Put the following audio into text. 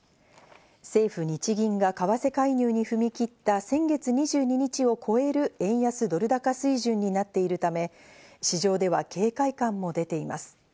政府・日銀が為替介入に踏み切った先月２２日を超える円安ドル高水準になっているため、市場では警戒感も出ています。